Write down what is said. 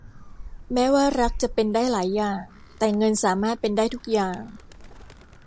แม้ว่ารักจะเป็นได้หลายอย่าง แต่เงินสามารถเป็นได้ทุกอย่าง